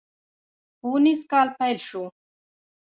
ښوونيز کال پيل شو.